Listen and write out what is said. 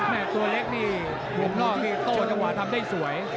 แม่ตัวเล็กนี่หัวพล่อมีโต้จังหวะทำได้สวย